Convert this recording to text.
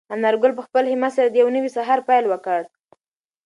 انارګل په خپل همت سره د یو نوي سهار پیل وکړ.